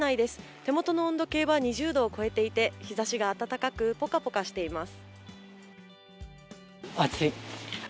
手元の温度計は２０度を超えていて日ざしが暖かく、ぽかぽかしています。